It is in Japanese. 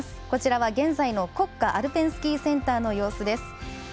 こちらは現在の国家アルペンスキーセンターの様子です。